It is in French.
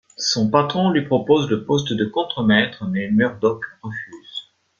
Son patron lui propose le poste de contremaître, mais Murdock refuse.